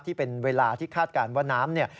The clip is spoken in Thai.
ที่เป็นเวลาที่คาดการณ์ว่าน้ำเนี่ย